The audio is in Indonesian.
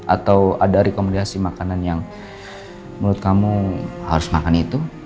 atau ada rekomendasi makanan yang menurut kamu harus makan itu